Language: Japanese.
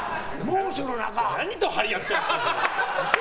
何と張り合ってんですか！